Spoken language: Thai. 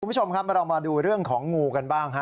คุณผู้ชมครับเรามาดูเรื่องของงูกันบ้างฮะ